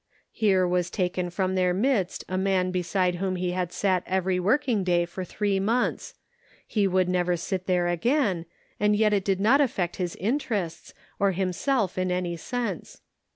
Here was taken from their midst a man beside whom he had sat every working day for three months ; he would never sit there again, and yet it did not affect his interests, or himself in any Measuring Enthusiasm. 463 sense.